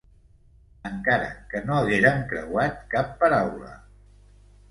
Encara que no haguérem creuat cap paraula...